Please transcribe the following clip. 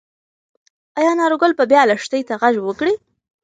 ايا انارګل به بیا لښتې ته غږ وکړي؟